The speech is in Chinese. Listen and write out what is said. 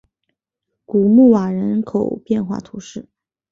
古穆瓦人口变化图示